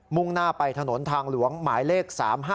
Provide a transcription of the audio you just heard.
่งหน้าไปถนนทางหลวงหมายเลข๓๕